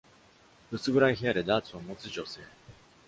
薄暗い部屋でダーツを持つ女性